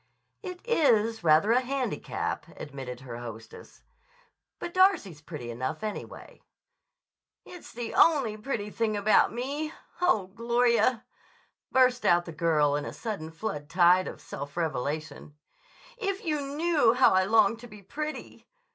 "It is rather a handicap," admitted her hostess. "But Darcy's pretty enough, anyway." "It's the only pretty thing about me. Oh, Gloria," burst out the girl in a sudden flood tide of self revelation, "if you knew how I long to be pretty!